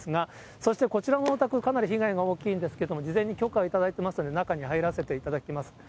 そしてこちらのお宅、かなり被害が大きいんですけれども、事前に許可を頂いてますんで、中に入らせていただきます。